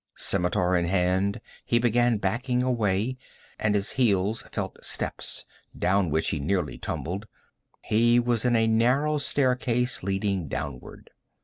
Scimitar in hand he began backing away, and his heels felt steps, down which he nearly tumbled. He was in a narrow staircase leading downward.